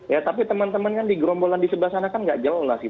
ya tapi teman teman kan di gerombolan di sebelah sana kan tidak jauh